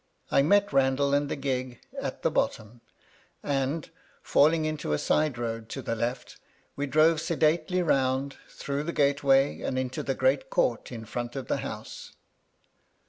I met Randal and the gig at the bottom ; and, &lHng mto a side road to the left, we drove sedately round, through the gateway, and into the great court in front of the house.